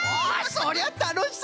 そりゃたのしそうじゃ！